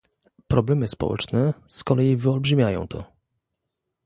Problemy społeczne z kolei wyolbrzymiają to